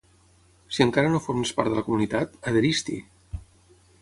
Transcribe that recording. Si encara no formes part de la comunitat, adhereix-t'hi!